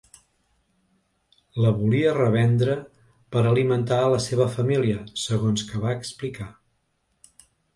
La volia revendre per alimentar a la seva família, segons que va explicar.